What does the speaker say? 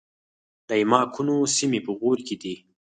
د ایماقانو سیمې په غور کې دي